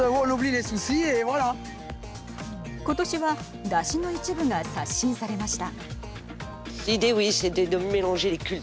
今年は山車の一部が刷新されました。